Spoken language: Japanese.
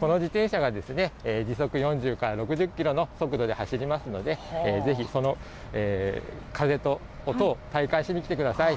この自転車が時速４０から６０キロの速度で走りますのでぜひ、その風と音を体感しに来てください。